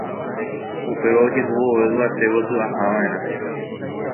upéva ojehu vove yvate gotyo ahava'erã